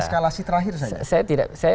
eskalasi terakhir saja